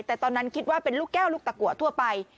แต่ตอนนั้นคิดว่าเป็นลูกแก้วลูกตะกัวทั่วไป